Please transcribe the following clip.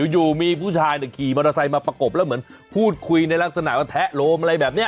อยู่มีผู้ชายขี่มอเตอร์ไซค์มาประกบแล้วเหมือนพูดคุยในลักษณะว่าแทะโลมอะไรแบบนี้